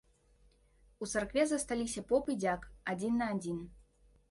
У царкве засталіся поп і дзяк адзін на адзін.